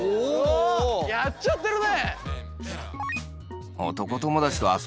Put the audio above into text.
あやっちゃってるね。